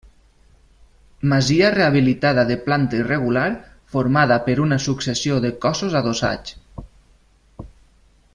Masia rehabilitada de planta irregular, formada per una successió de cossos adossats.